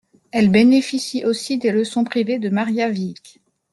Elle bénéficie aussi des leçons privées de Maria Wiik.